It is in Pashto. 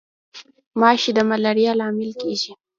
ماشي د ملاریا لامل کیږي